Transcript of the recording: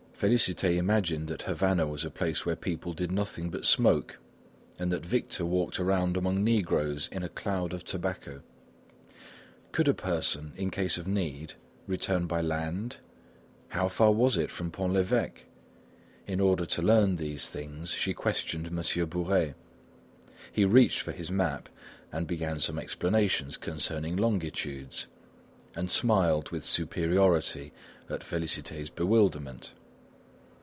Félicité imagined that Havana was a place where people did nothing but smoke, and that Victor walked around among negroes in a cloud of tobacco. Could a person, in case of need, return by land? How far was it from Pont l'Evêque? In order to learn these things she questioned Monsieur Bourais. He reached for his map and began some explanations concerning longitudes, and smiled with superiority at Félicité's bewilderment.